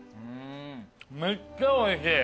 めっちゃおいしい。